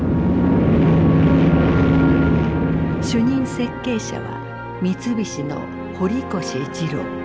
主任設計者は三菱の堀越二郎。